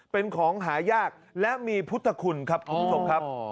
เป็นของหายากและมีพุทธคุณครับถูกหรือไม่ถูกครับ